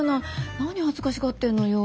何恥ずかしがってんのよ。